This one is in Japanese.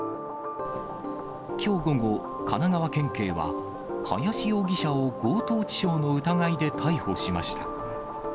きょう午後、神奈川県警は林容疑者を強盗致傷の疑いで逮捕しました。